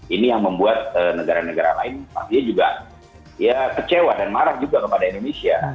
ini yang membuat negara negara lain pastinya juga ya kecewa dan marah juga kepada indonesia